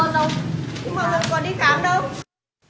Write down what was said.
nhưng mà vẫn còn đi khám đâu